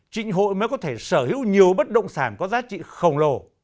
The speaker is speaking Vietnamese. trịnh hội mới có thể sở hữu nhiều bất động sản có giá trị khổng lồ